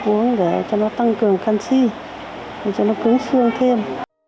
uống để cho nó tăng cường canxi cho nó cứng xương thêm